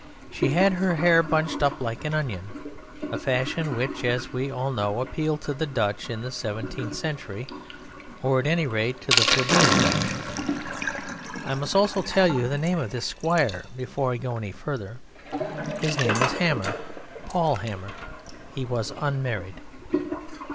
She had her hair bunched up like an onion, a fashion which, as we all know, appealed to the Dutch in the seventeenth century, or at any rate to the plebeian Dutch. I must also tell you the name of this squire before I go any further: his name was Hammer Paul Hammer. He was unmarried.